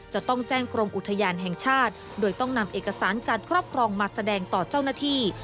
จะต้องแจ้งกรมอุทยานแห่งชาติโดยต้องนำเอกสารการครอบครองมาแสดงต่อเจ้าหน้าที่